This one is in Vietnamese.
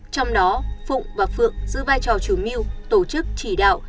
trong đó phụng và phượng giữ vai trò chủ mưu tổ chức chỉ đạo